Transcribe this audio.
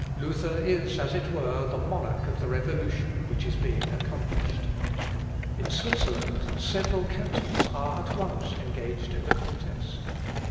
Luther is, as it were, the monarch of the revolution which is being accomplished. In Switzerland, several cantons are at once engaged in the contest.